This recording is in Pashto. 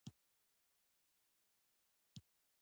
د شرابې اوریځو سیوري څوڼي خپروي